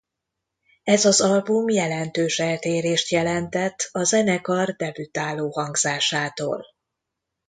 Ez az album jelentős eltérést jelentett a zenekar debütáló hangzásától.